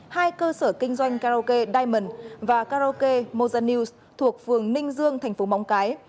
hai cơ sở kinh doanh karaoke diamond và karaoke moza news thuộc phường ninh dương thành phố móng cái